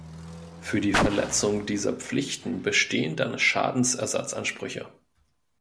Für die Verletzung dieser Pflichten bestehen dann Schadensersatzansprüche.